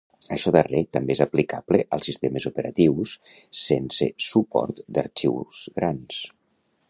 Això darrer també és aplicable als sistemes operatius sense suport d'arxius grans.